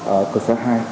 ở cơ sở hai